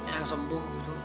yang sembuh gitu